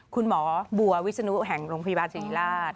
คุณหมอบัววิศนุแห่งโรงพยาบาลศิริราช